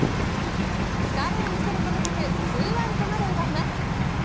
疲れを見せることなく２アウトまで奪います。